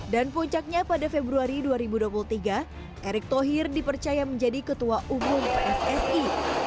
dan puncaknya pada februari dua ribu dua puluh tiga erick thohir dipercaya menjadi ketua umum ssi